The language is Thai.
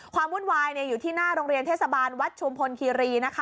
วุ่นวายอยู่ที่หน้าโรงเรียนเทศบาลวัดชุมพลคีรีนะคะ